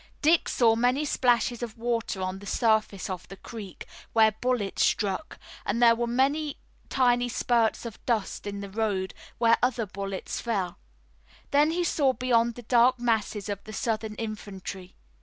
Dick saw many splashes of water on the surface of the creek where bullets struck, and there were many tiny spurts of dust in the road, where other bullets fell. Then he saw beyond the dark masses of the Southern infantry.